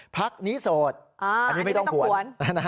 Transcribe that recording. พักนี้โสดอันนี้ไม่ต้องห่วง